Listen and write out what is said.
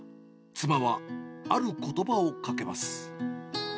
妻は、あることばをかけます。